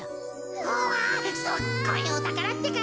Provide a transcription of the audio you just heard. うわすっごいおたからってか！